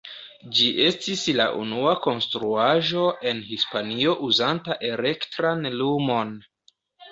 Ĝi estis la unua konstruaĵo en Hispanio uzanta elektran lumon.